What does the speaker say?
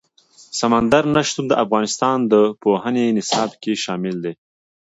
سمندر نه شتون د افغانستان د پوهنې نصاب کې شامل دي.